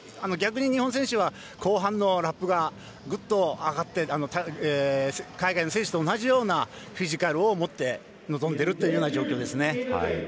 逆に日本選手は後半のラップがグッと上がって海外の選手と同じようなフィジカルを持って臨んでいるという状況ですね。